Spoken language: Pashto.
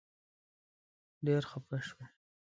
ډېر خپه شوم.